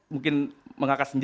mungkin mengakas perang